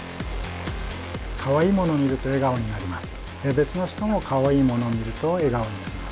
別の人もかわいいものを見ると笑顔になります。